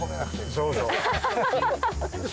そうそう。